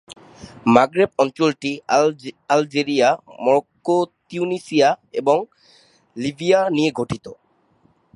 মাগরেব অঞ্চলটি Algeria, Morocco, Tunisia এবং Libya নিয়ে গঠিত।